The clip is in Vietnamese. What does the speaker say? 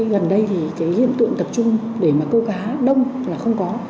gần đây thì cái hiện tượng tập trung để mà câu cá đông là không có